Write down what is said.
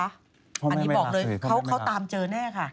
อันนี้บอกเลยเขาตามเจอแน่ค่ะ